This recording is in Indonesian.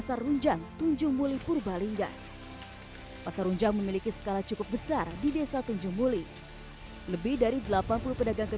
dalam bentuk permodalan apapun itu secara mental secara tenaga fisik dan sebagainya